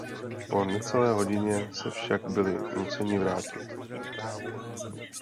Po necelé hodině se však byli nuceni vrátit.